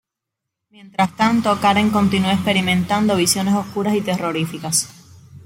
Mientras tanto, Karen continúa experimentando visiones oscuras y terroríficas.